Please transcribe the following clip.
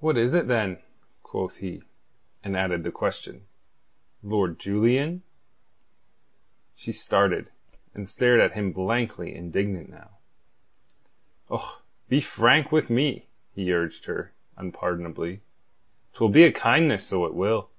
"What is it, then?" quoth he, and added the question: "Lord Julian?" She started, and stared at him blankly indignant now. "Och, be frank with me," he urged her, unpardonably. "'Twill be a kindness, so it will."